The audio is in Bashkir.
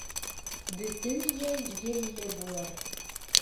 Бөтөн йәй елле булыр.